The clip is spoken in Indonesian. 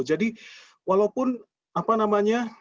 jadi walaupun apa namanya